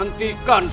yap aku ini